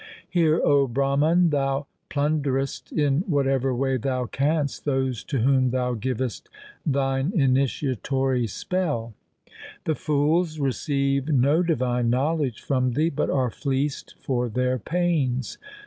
Hear, O Brahman, thou plunderest in whatever way thou canst those to whom thou givest thine initiatory spell. The fools receive no divine knowledge from thee, but are fleeced for their pains.